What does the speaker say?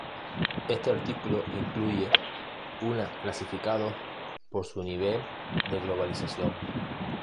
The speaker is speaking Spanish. Este artículo incluye una clasificados por su nivel de globalización.